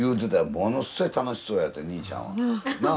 ものすごい楽しそうやって兄ちゃんは。なあ？